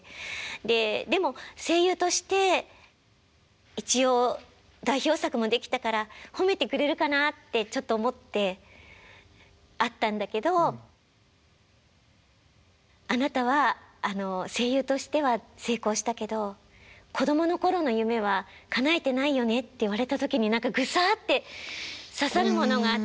ででも声優として一応代表作もできたから褒めてくれるかなってちょっと思って会ったんだけど「あなたは声優としては成功したけど子供の頃の夢はかなえてないよね」って言われた時に何かグサッて刺さるものがあって。